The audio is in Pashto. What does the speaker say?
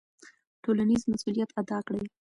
ټولنیز مسوولیت ادا کړئ.